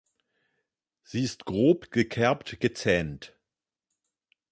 Sie sind grob gekerbt-gezähnt.